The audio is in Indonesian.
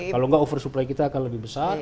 kalau nggak oversupply kita akan lebih besar